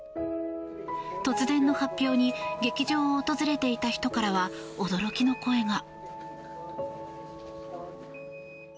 突然の発表に劇場を訪れていた人からは驚きの声が。